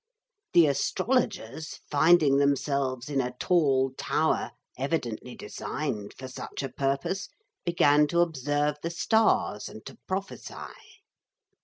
The astrologers, finding themselves in a tall tower evidently designed for such a purpose, began to observe the stars and to prophesy.'